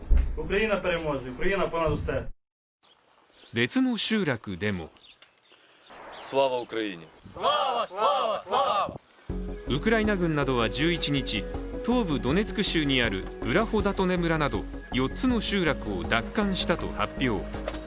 別の集落でもウクライナ軍などは１１日、東部ドネツク州にあるブラホダトネ村など４つの集落を奪還したと発表。